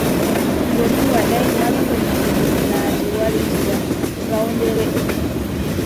Goni Wadaay, mallumjo ginnaaji wari diga Ngawdere.